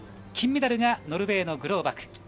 金メダルがノルウェーのグローバク。